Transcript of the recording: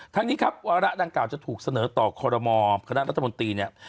ทั้งนี้ครับวาระดังกล่าจะถูกเสนอต่อคอรมอคณะรัฐมนตรีเนี่ย